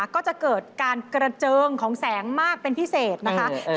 ก็จะเกิดการกระเจิงของแสงมากเป็นพิเศษนะคะ